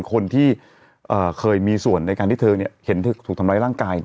คนที่เคยมีส่วนในการที่เธอเห็นเธอถูกทำร้ายร่างกาย